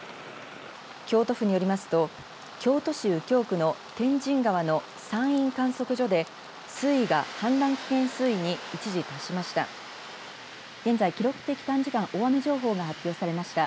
京都府によりますと京都市右京区の天神川の西院観測所で水位が氾濫危険水位に一時達しました。